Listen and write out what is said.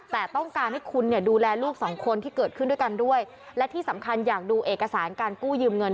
แต่ต้องการให้คุณเนี่ยดูแลลูกสองคนที่เกิดขึ้นด้วยกันด้วยและที่สำคัญอยากดูเอกสารการกู้ยืมเงิน